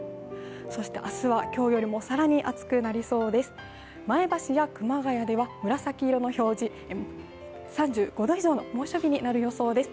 そして明日は今日より更に暑くなりそうです、前橋や熊谷では、紫色の表示、３５度以上の猛暑日になる予想です。